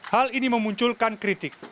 hal ini memunculkan kritik